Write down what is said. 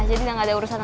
jadi gak ada urusan apa